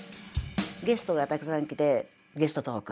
ゲストがたくさん来てゲストトーク。